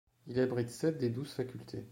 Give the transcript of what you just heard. Il abrite sept des douze facultés.